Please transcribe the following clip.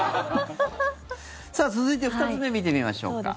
続いて２つ目見てみましょうか。